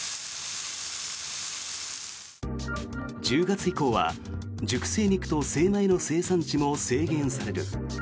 １０月以降は熟成肉と精米の生産地も制限される。